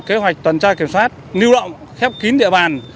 kế hoạch toàn tra kiểm soát nưu động khép kín địa bàn